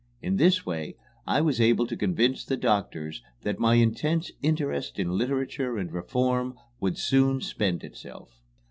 In this way I was able to convince the doctors that my intense interest in literature and reform would soon spend itself.